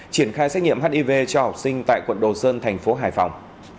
triển khai xét nghiệm hiv cho học sinh tại quận đồ sơn thành phố hải phòng